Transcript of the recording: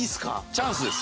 チャンスです。